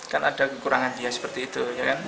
karena kan ada kekurangan dia seperti itu